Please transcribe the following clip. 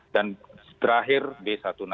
dan terakhir b seribu enam ratus tujuh belas